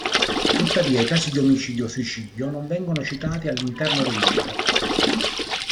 Tuttavia i casi di omicidio o suicidio non vengono citati all'interno del libro.